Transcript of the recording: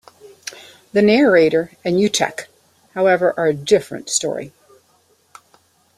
The narrator and Utch, however, are a different story.